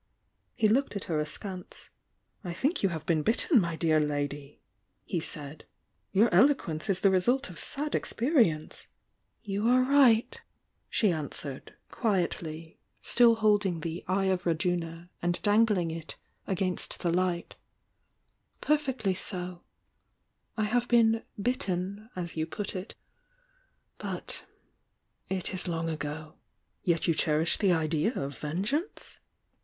He looked at her askance. _ "I think you have been bitten, my dear lady!" he said. "Your eloquence is the result of sad experi ence!" "You are right!" she answered, quietly, still hold THE YOUNG DIANA 221 ing the "Eve «.. tvajuna" and dangling it against the light. "P. i.'ectly 1=0! I have been 'bitten' as you put it — bv !— it is km.!; ago." "Yet you i<i°rish the idea of vengeance?"